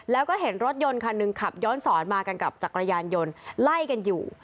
แล้วก็เห็นรถยนต์คันหนึ่งขับย้อนสอนมากันกับจักรยานยนต์ไล่กันอยู่